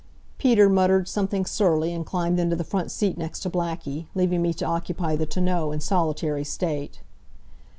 Peter muttered something surly and climbed into the front seat next to Blackie, leaving me to occupy the tonneau in solitary state.